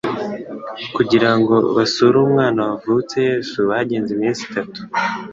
kugirango basure umwana wavutse Yesu bagenze iminsi itatu